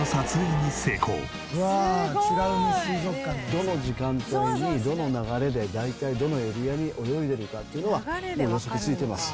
どの時間帯にどの流れで大体どのエリアに泳いでるかっていうのはもう予測ついてます。